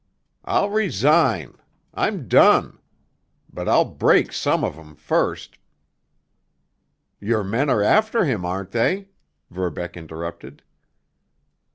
I'll resign! I'm done! But I'll break some of 'em first——" "Your men are after him, aren't they?" Verbeck interrupted.